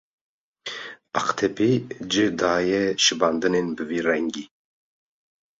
Aqtepî cih daye şibandinên bi vî rengî.